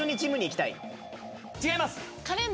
違います。